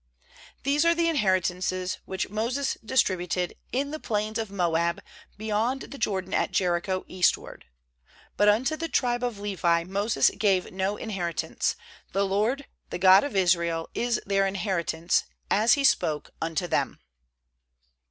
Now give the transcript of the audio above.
^These are the inheritances which Moses distributed in the plains of Moab, beyond the Jordan at Jericho, eastward. ^But unto the tribe of Levi Moses gave no inheritance; the LORD, the God of Israel, is their in heritance, as He spoke unto them.